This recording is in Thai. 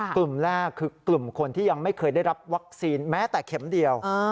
กลุ่มแรกคือกลุ่มคนที่ยังไม่เคยได้รับวัคซีนแม้แต่เข็มเดียว